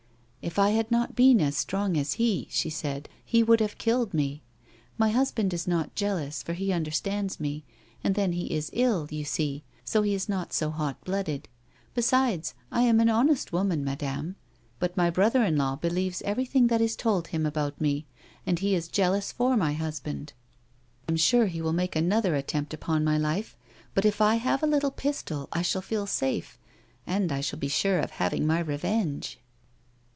" If I had not been as strong as he is," she said, " he would have killed me. My husband is not jealous, for he understands me, and then he is ill, you see, so he is not so hot blooded ; besides, I am an honest woman, madame. But my brother in law believes everything that is told him about 74 A WOMAN'S LIFE. me, and he is jealous for my husband. I am sure he will make another attempt upon my life, but if I have a little pistol I shall feel safe, and I shall be sure of having my re venge."